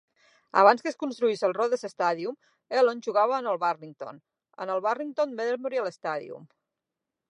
Abans que es construís el Rhodes Stadium, Elon jugava en el Burlington, en el Burlington Memorial Stadium.